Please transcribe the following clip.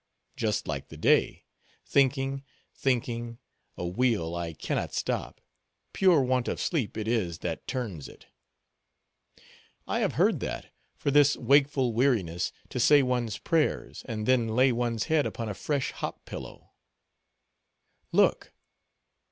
"Just like the day. Thinking, thinking—a wheel I cannot stop; pure want of sleep it is that turns it." "I have heard that, for this wakeful weariness, to say one's prayers, and then lay one's head upon a fresh hop pillow—" "Look!"